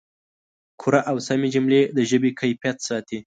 کره او سمې جملې د ژبې کیفیت ساتي.